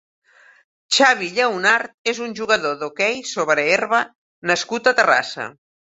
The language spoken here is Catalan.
Xavi Lleonart és un jugador d'hoquei sobre herba nascut a Terrassa.